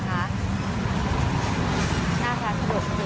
น่าจะสะดวกถึง